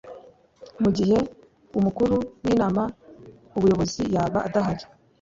mugihe umukuru w inama y ubuyobozi yaba adahari